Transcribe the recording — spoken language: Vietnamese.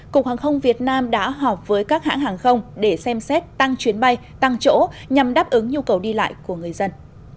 cục hàng không việt nam đã họp với các hãng hàng không để xem xét tăng chuyến bay tăng chỗ nhằm đáp ứng nhu cầu đi lại của người dân